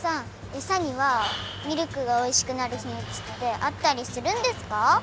エサにはミルクがおいしくなるひみつってあったりするんですか？